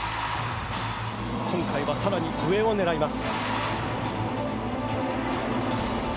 今回はさらに上を狙います。